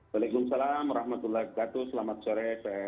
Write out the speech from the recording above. waalaikumsalam rahmatullah selamat sore